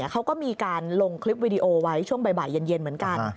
เขาก็มีการลงคลิปวิดีโอไว้ช่วงบ่ายเย็นเหมือนกัน